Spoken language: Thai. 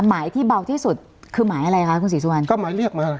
หมายที่เบาที่สุดคือหมายอะไรคะคุณศรีสุวรรณก็หมายเรียกหมายอะไร